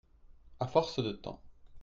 À force de temps.